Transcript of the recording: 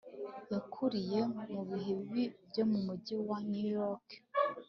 yakuriye mu bihe bibi byo mu mujyi wa new york